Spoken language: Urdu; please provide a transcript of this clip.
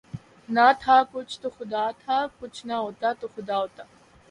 نہ تھا کچھ تو خدا تھا، کچھ نہ ہوتا تو خدا ہوتا